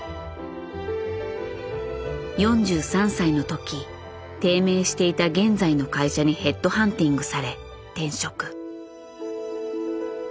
４３歳の時低迷していた現在の会社にヘッドハンティングされ転職。